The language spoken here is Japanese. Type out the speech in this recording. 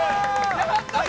やったー！